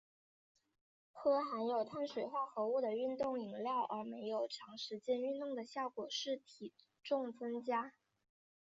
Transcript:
喝含有碳水化合物的运动饮料而没有长时间运动的效果是体重增加。